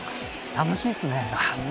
楽しいですね。